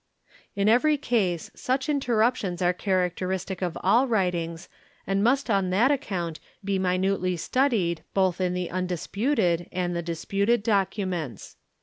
; In every case such interruptions are characteristic of all writing and must on that account be minutely studied both in the undispute and the disputed documents.